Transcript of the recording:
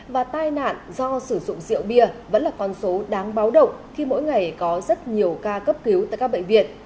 và tai nạn do sử dụng rượu bia vẫn là con số đáng báo động khi mỗi ngày có rất nhiều ca cấp cứu tại các bệnh viện